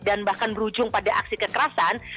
dan bahkan berujung pada aksi kekerasan